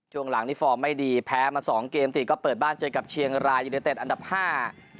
ช่วงหลังนี่ฟอร์มไม่ดีแพ้มาสองเกมติดก็เปิดบ้านเจอกับเชียงรายยูเนเต็ดอันดับห้า